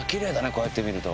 こうやって見ると。